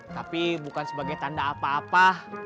tapi bukan sebagai tanda apa apa